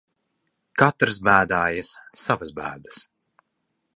Katrs bēdājas savas bēdas.